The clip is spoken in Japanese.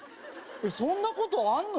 そんなことあんの？